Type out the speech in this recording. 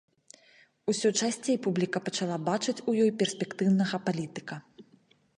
Усё часцей публіка пачала бачыць у ёй перспектыўнага палітыка.